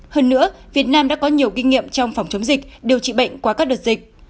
hơn nữa việt nam đã có nhiều kinh nghiệm trong phòng chống dịch điều trị bệnh qua các đợt dịch